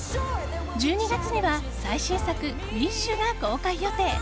１２月には最新作「ウィッシュ」が公開予定。